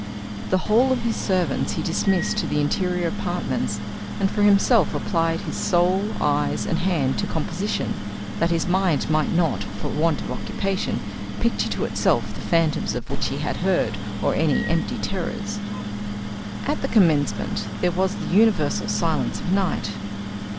The whole of his servants he dismissed to the interior apartments, and for himself applied his soul, eyes, and hand to composition, that his mind might not, from want of occupation, picture to itself the phantoms of which he had heard, or any empty terrors. At the commencement there was the universal silence of night.